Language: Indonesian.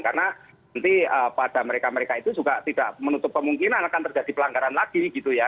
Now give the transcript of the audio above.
karena nanti pada mereka mereka itu juga tidak menutup kemungkinan akan terjadi pelanggaran lagi gitu ya